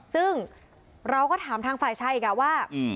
ซึ่งเราก็ถามทางฝ่ายชายอีกว่า